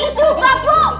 gigi juga bu